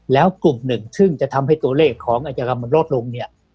แล้วกลุ่มหนึ่งที่จะทำให้ตัวเลขของอาจารย์มันลดลง